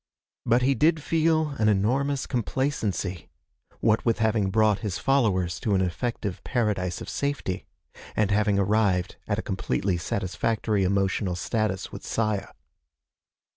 But he did feel an enormous complacency, what with having brought his followers to an effective paradise of safety, and having arrived at a completely satisfactory emotional status with Saya.